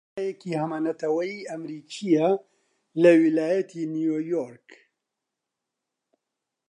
کۆمپانیایەکی هەمەنەتەوەیی ئەمریکییە لە ویلایەتی نیویۆرک